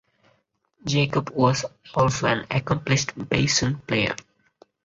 Jacob was also an accomplished bassoon player.